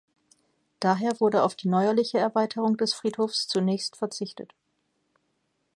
Daher wurde auf die neuerliche Erweiterung des Friedhofs zunächst verzichtet.